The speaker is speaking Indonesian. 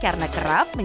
jadi lokasi syuting